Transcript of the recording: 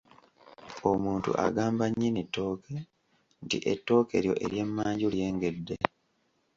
Omuntu agamba nnyinni ttooke nti ettooke lyo ery'emmanju lyengedde.